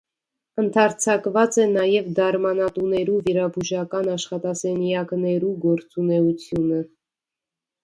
Ընդարձակուած է նաեւ դարմանատուներու վիրաբուժական աշխատասենեակներու գործունէութիւնը։